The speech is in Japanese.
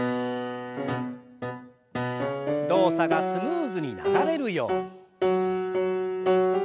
動作がスムーズに流れるように。